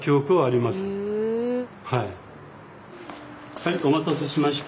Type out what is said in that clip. はいお待たせしました。